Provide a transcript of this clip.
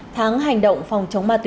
tháng hành động phòng chống ma túy